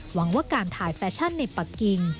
หวังว่าการถ่ายแฟชั่นในปะกิง